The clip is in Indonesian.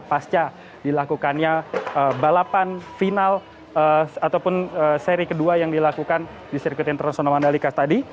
pasca dilakukannya balapan final ataupun seri kedua yang dilakukan di sirkuit internasional mandalika tadi